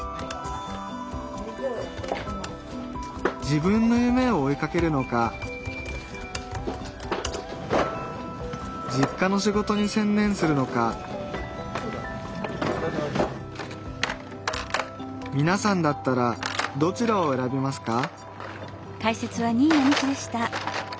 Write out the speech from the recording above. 自分の夢を追いかけるのか実家の仕事に専念するのかみなさんだったらどちらを選びますか？